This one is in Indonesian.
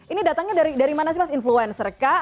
ini datangnya dari mana sih mas influencer kah